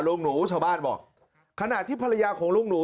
ลุงหนูชาวบ้านบอกขณะที่ภรรยาของลุงหนู